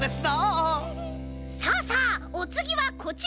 さあさあおつぎはこちら！